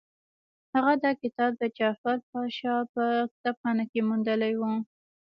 هغه دا کتاب د جعفر پاشا په کتابخانه کې موندلی وو.